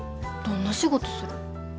どんな仕事する？